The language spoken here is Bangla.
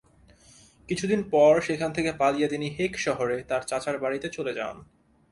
কিছুদিন পর সেখান থেকে পালিয়ে তিনি হেগ শহরে তার চাচার বাড়িতে চলে যান।